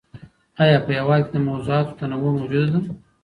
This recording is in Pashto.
آيا په هېواد کي د موضوعاتو تنوع موجوده ده؟